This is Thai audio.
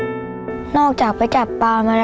ทำเป็นผู้สาเชื่อมให้น้องรักปั่นจักรยานไปขายตามหมู่บ้านค่ะ